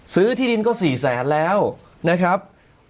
ที่ดินก็๔แสนแล้วนะครับ